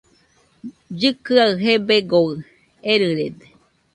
Llɨkɨaɨ gebegoɨ erɨrede.